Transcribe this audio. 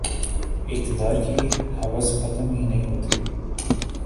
اقتدار کی ہوس ختم ہی نہیں ہوتی